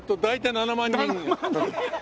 ７万人！？